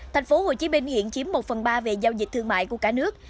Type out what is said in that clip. tp hcm hiện chiếm một phần ba về giao dịch thương mại của cả nước